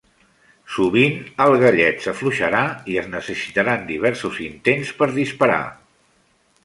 Sovint, el gallet s'afluixarà i es necessitaran diversos intents per disparar.